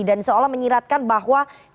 dan seolah menyiratkan bahwa capaian kinerja jokowi